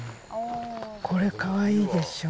これかわいいでしょ。